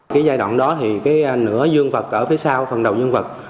cái giai đoạn đó thì cái nửa dương vật ở phía sau phần đầu nhân vật